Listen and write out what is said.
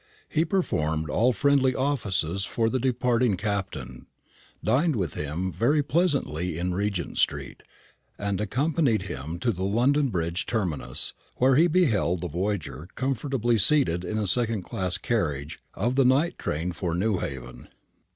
He performed all friendly offices for the departing Captain, dined with him very pleasantly in Regent street, and accompanied him to the London bridge terminus, where he beheld the voyager comfortably seated in a second class carriage of the night train for Newhaven.